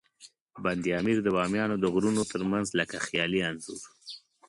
بند امیر د بامیانو د غرونو ترمنځ لکه خیالي انځور.